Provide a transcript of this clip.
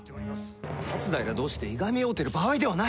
松平同士でいがみ合うてる場合ではない。